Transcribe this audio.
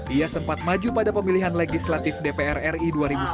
ia sempat maju pada pemilihan legislatif dpr ri dua ribu sembilan belas